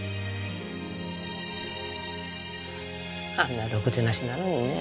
あんなろくでなしなのにね。